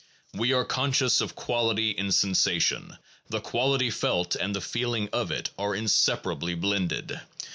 We are conscious of quality in sensation: the quality felt and the feeling of it are inseparably blended.